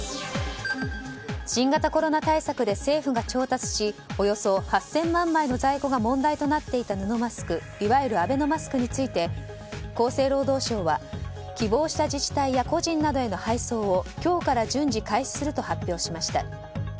新型コロナ対策で政府が調達しおよそ８０００万枚の在庫が問題となっていた布マスクいわゆるアベノマスクについて厚生労働省は希望した自治体や個人などへの配送を今日から順次、開始すると発表しました。